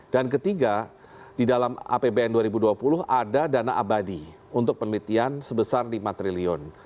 ketiga di dalam apbn dua ribu dua puluh ada dana abadi untuk penelitian sebesar lima triliun